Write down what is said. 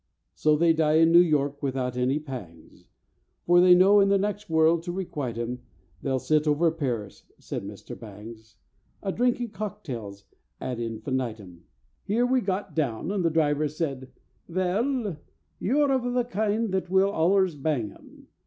So they die in New York without any pangs, For they know in the next world, to requite 'em, They'll sit over Paris," said Mr. Bangs, "A drinking cocktails ad infinitum." Here we got down, and the driver said, "Vell, you're of the kind that will allers bang 'em!"